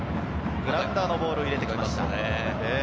グラウンダーのボールを入れてきました。